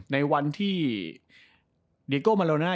ในวันที่เดโก้มาโลน่า